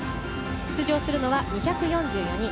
出場するのは２４４人。